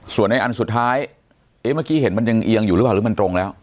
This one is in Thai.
ส่วนในอันสุดท้ายเอ๊ะเมื่อกี้เห็นมันยังเอียงอยู่หรือเปล่าหรือมันตรงแล้ว